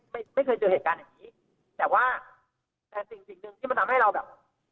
ไม่ไม่เคยเจอเหตุการณ์อย่างงี้แต่ว่าแต่สิ่งสิ่งหนึ่งที่มันทำให้เราแบบ